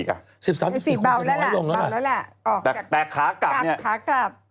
๑๓๑๔คงจะน้อยลงแล้วล่ะแต่ขากลับเนี่ยขากลับ